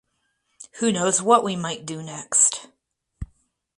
Who knows what we might do next?